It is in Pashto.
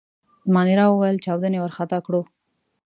مانیرا وویل: چاودنې وارخطا کړو.